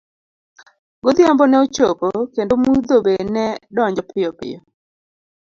Godhiambo ne osechopo kendo mudho be ne donjo piyopiyo.